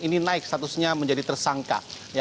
ini naik statusnya menjadi tersangka